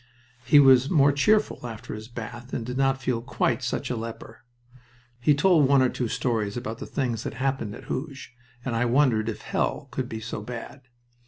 He was more cheerful after his bath and did not feel quite such a leper. He told one or two stories about the things that happened at Hooge, and I wondered if hell could be so bad.